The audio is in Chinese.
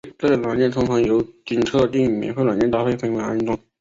这类软件通常经由与特定免费软件搭配分别安装。